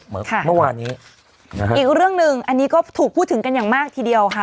เมื่อวานนี้นะฮะอีกเรื่องหนึ่งอันนี้ก็ถูกพูดถึงกันอย่างมากทีเดียวค่ะ